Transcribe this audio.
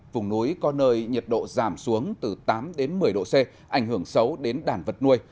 vùng núi có nơi nhiệt độ giảm xuống từ tám đến một mươi độ c ảnh hưởng xấu đến đàn vật nuôi